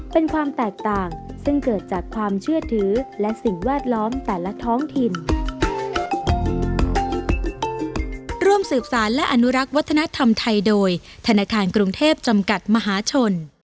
เป็นความแตกต่างซึ่งเกิดจากความเชื่อถือและสิ่งแวดล้อมแต่ละท้องถิ่น